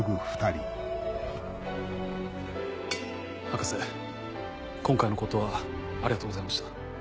博士今回のことはありがとうございました。